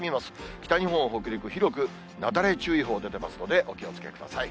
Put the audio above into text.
北日本、北陸、広く雪崩注意報出てますので、お気をつけください。